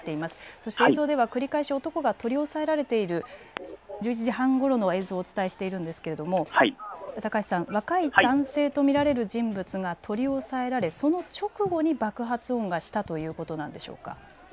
そして映像では繰り返し男が取り押さえられている、１１時半ごろの映像をお伝えしているんですが高橋さん、若い男性と見られる人物が取り押さえられその直後に爆発音がしたということなんでしょうか。